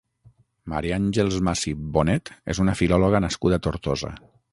Maria Àngels Massip Bonet és una filòloga nascuda a Tortosa.